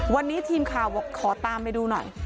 วันนี้ทีมข่าวบอกขอตามไปดูหน่อย